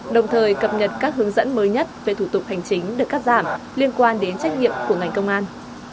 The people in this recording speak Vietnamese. đồng thời cập nhật các hướng dẫn mới nhất về thủ tục hành chính được cắt giảm liên quan đến trách nhiệm của ngành công an